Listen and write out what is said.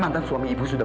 mantan suami ibu sudah